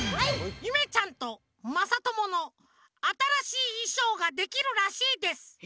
ゆめちゃんとまさとものあたらしいいしょうができるらしいです。